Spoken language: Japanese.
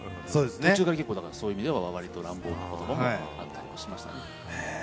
途中から、そういう意味では割と乱暴な言葉もあったりしましたね。